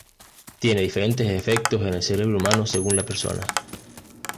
Tiene diferentes efectos en el cerebro humano según la persona.